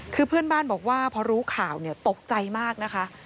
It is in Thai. คือเพื่อนบ้านบอกว่าพอรู้ข่าวเนี่ยตกใจมากนะคะ